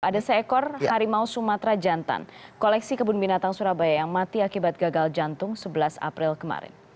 ada seekor harimau sumatera jantan koleksi kebun binatang surabaya yang mati akibat gagal jantung sebelas april kemarin